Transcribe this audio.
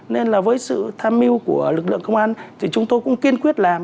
nên là với sự tham mưu của lực lượng công an thì chúng tôi cũng kiên quyết làm